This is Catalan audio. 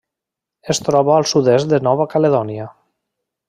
Es troba al sud-est de Nova Caledònia.